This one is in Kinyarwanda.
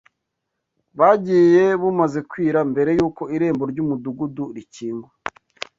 Bagiye bumaze kwira mbere y’uko irembo ry’umudugudu rikingwa